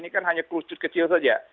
ini kan hanya kultur kecil saja